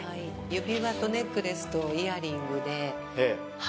指輪とネックレスとイヤリングでそうだそうです。